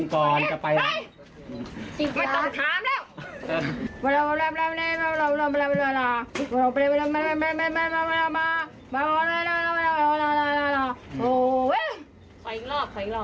ขออีกรอบ